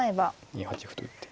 ２八歩と打って。